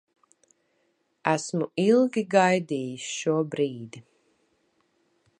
Esmu ilgi gaidījis šo brīdi.